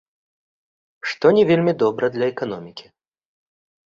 Што не вельмі добра для эканомікі.